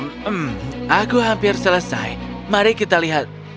hmm aku hampir selesai mari kita lihat